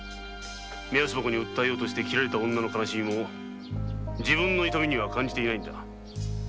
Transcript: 目安箱に訴えようとして切られた女の悲しみも自分の痛みには感じていないんだ。